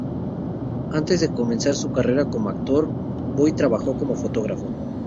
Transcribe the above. Antes de comenzar su carrera como actor Boy trabajó como fotógrafo.